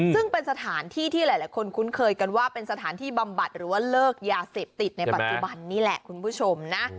ซึ่งเป็นสถานที่ที่หลายคนคุ้นเคยกันว่าเป็นสถานที่บำบัดหรือว่าเลิกยาเสพติดในปัจจุบันนี่แหละคุณผู้ชมนะ